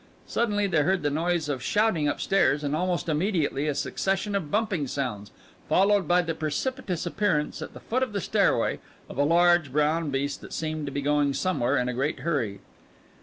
Suddenly they heard the noise of shouting up stairs, and almost immediately a succession of bumping sounds, followed by the precipitous appearance at the foot of the stairway of a large brown beast that seemed to be going somewhere in a great hurry.